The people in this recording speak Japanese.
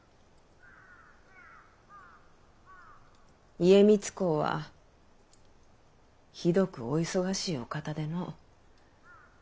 家光公はひどくお忙しいお方での。